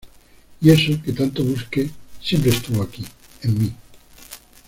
Y eso, que tanto busque, siempre estuvo aquí, en mi.